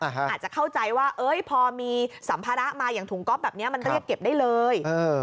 อาจจะเข้าใจว่าพอมีสัมภาระมาอย่างถุงก๊อปแบบนี้มันเรียกเก็บได้เลย